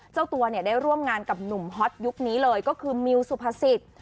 เจ้าตัวเนี่ยได้ร่วมงานกับหนุ่มฮอตยุคนี้เลยก็คือมิวสุภาษิต